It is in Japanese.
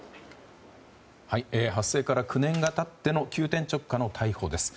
発生から９年が経っての急転直下の逮捕です。